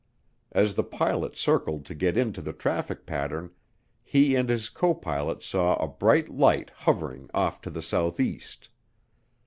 As the pilot circled to get into the traffic pattern, he and his copilot saw a bright light hovering off to the southeast.